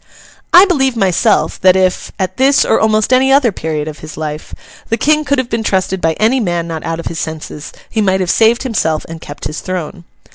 I believe myself, that if, at this or almost any other period of his life, the King could have been trusted by any man not out of his senses, he might have saved himself and kept his throne.